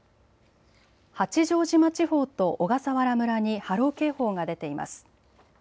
八丈島地方と小笠原村に波浪警報が出ています。